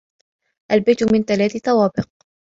البيت من ثلاث طوابق.